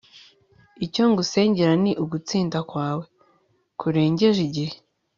icyo ngusengera ni ugutsinda kwawe, kurengeje igihe